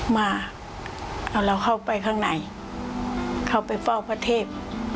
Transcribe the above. มาเอาเราเข้าไปข้างในเข้าไปเฝ้าพระเทพ